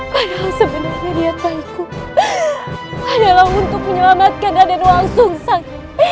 padahal sebenarnya dia taiku adalah untuk menyelamatkan adik adik langsung sakit